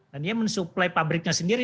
dan dia mensuplai pabriknya sendiri